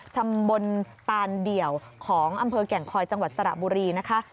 ตำบลตานเดี่ยวของอำเภอแก่งคอยจังหวัดสระบุรีนะคะ